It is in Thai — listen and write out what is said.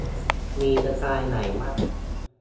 มีสไตล์ไหนบ้าง